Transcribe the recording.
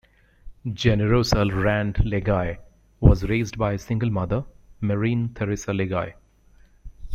Generosa Rand LeGaye was raised by a single mother, Marie Theresa LeGaye.